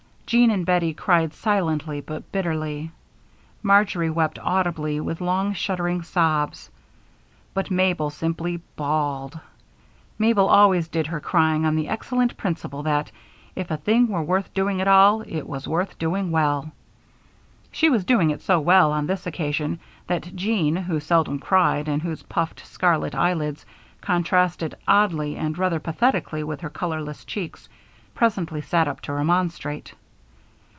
Jean and Bettie cried silently but bitterly; Marjory wept audibly, with long, shuddering sobs; but Mabel simply bawled. Mabel always did her crying on the excellent principle that, if a thing were worth doing at all, it was worth doing well. She was doing it so well on this occasion that Jean, who seldom cried and whose puffed, scarlet eyelids contrasted oddly and rather pathetically with her colorless cheeks, presently sat up to remonstrate.